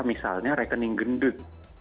misalnya rekening gendut